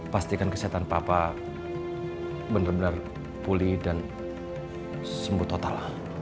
pastikan kesehatan papa bener bener pulih dan sembuh total